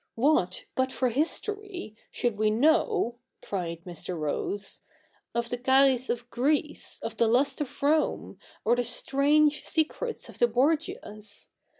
What, but for history, should we know,' cried Mr. Rose, ' of the Xapts of Greece, of the lust of Rome, of the strange secrets of the Borgias